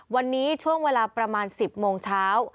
วันนี้ช่วงเวลาประมาณ๑๐โมงเช้า